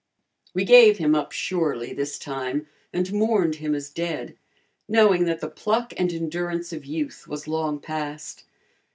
We gave him up surely this time and mourned him as dead, knowing that the pluck and endurance of youth was long past.